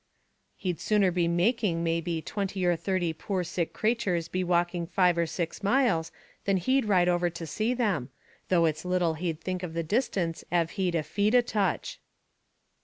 "He'd sooner be making may be twenty or thirty poor sick craturs be walking five or six miles, than he'd ride over to see them; though it's little he'd think of the distance av he'd a fee to touch."